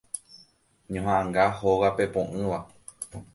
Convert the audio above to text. Ñohaʼãnga Hóga Pepoʼỹva.